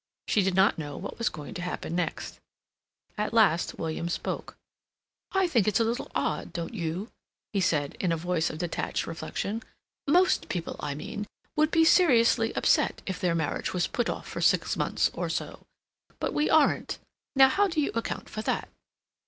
She did not know what was going to happen next. At last William spoke. "I think it's a little odd, don't you?" he said, in a voice of detached reflection. "Most people, I mean, would be seriously upset if their marriage was put off for six months or so. But we aren't; now how do you account for that?"